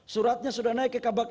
suratnya sudah naik ke kabak